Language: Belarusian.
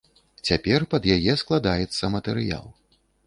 Цяпер пад яе складаецца матэрыял.